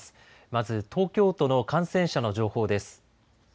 まず東京都の感染者の情報です。